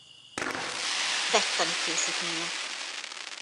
Vegytani készítmények.